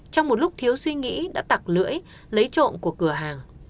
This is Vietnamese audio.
trong một lúc thiếu suy nghĩ đã tặc lưỡi lấy trộm của cửa hàng